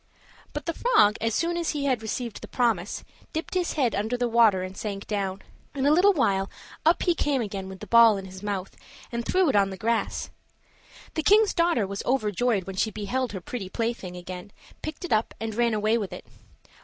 But the frog, as soon as he had received the promise dipped his head under the water and sank down. In a little while up he came again with the ball in his mouth, and threw it on the grass. The king's daughter was overjoyed when she beheld her pretty plaything again, picked it up, and ran away with it.